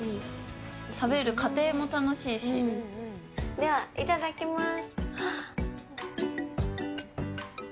では、いただきます。